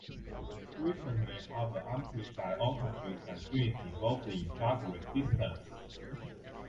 They frequently harbor amplified oncogenes and genes involved in drug resistance.